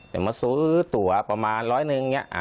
ถ้ามาซื้อตั๋วประมาณ๑๐๐บาทหนึ่ง